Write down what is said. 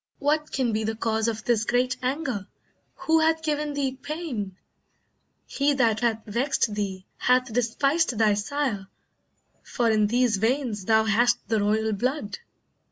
What can be the cause Of this great anger? Who hath given thee pain? He that hath vexed thee, hath despised thy sire, For in these veins thou hast the royal blood."